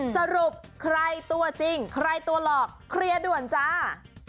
สรุปใครตัวจริงใครตัวหลอกเคลียร์ด่วนจ้า